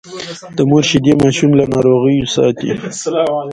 د مور شیدې ماشوم له ناروغیو ساتي۔